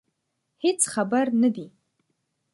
هېڅ خبر نه دي.